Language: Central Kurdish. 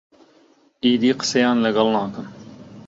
ئیدی قسەیان لەگەڵ ناکەم.